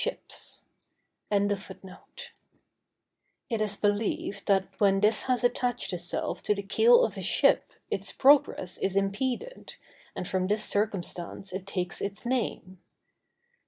It is believed that when this has attached itself to the keel of a ship its progress is impeded, and from this circumstance it takes its name.